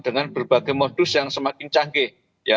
dengan berbagai modus yang semakin canggih